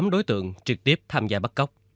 tám đối tượng trực tiếp tham gia bắt cóc